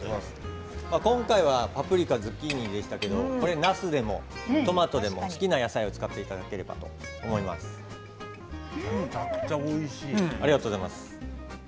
今回はパプリカ、ズッキーニですけどなすでもトマトでも好きな野菜を使ってめちゃくちゃおいしい。